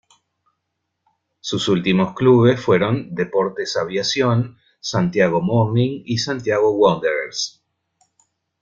Sus últimos clubes fueron Deportes Aviación, Santiago Morning y Santiago Wanderers.